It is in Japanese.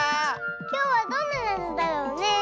きょうはどんななぞだろうねえ。